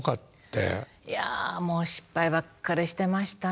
いやもう失敗ばっかりしてましたね。